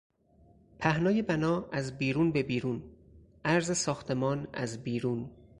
پهنای بنا از بیرون به بیرون، عرض ساختمان از بیرون